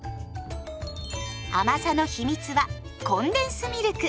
甘さの秘密はコンデンスミルク。